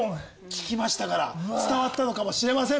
聞きましたから伝わったのかもしれません。